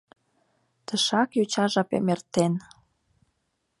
Тышак йоча жапем эртен.